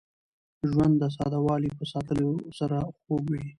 ژوند د ساده والي په ساتلو سره خوږ وي.